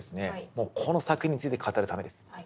もうこの作品について語るためです。